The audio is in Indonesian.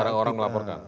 semua orang melaporkan